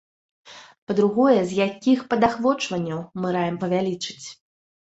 Па-другое, з якіх падахвочванняў мы раім павялічыць.